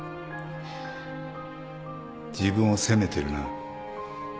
自分を責めてるな。